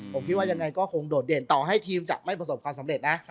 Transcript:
ผมคิดว่ายังไงก็คงโดดเด่นต่อให้ทีมจะไม่ประสบความสำเร็จนะ